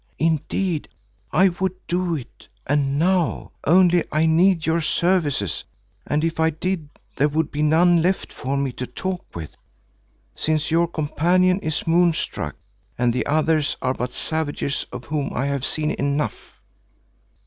Indeed, I would do it, and now, only I need your services, and if I did there would be none left for me to talk with, since your companion is moonstruck and the others are but savages of whom I have seen enough.